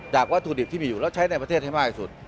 วัตถุดิบที่มีอยู่แล้วใช้ในประเทศให้มากสุด